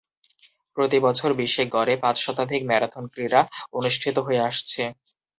প্রতি বছর বিশ্বে গড়ে পাঁচ শতাধিক ম্যারাথন ক্রীড়া অনুষ্ঠিত হয়ে আসছে।